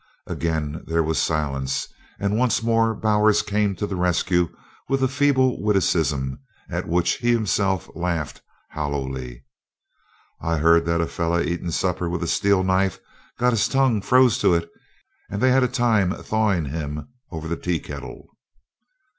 Again there was silence, and once more Bowers came to the rescue with a feeble witticism, at which he himself laughed hollowly: "I hearn that a feller eatin' supper with a steel knife got his tongue froze to it, and they had a time thawin' him over the tea kettle."